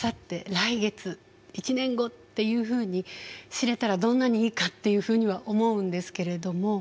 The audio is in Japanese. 来月１年後っていうふうに知れたらどんなにいいかっていうふうには思うんですけれども。